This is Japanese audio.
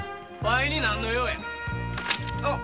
ワイに何の用や？